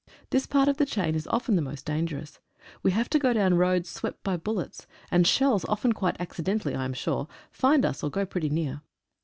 This part of the chain is often the most dangerous. We have to go down roads swept by bullets, and shells often quite accident ally I am sure, find us or go pretty near.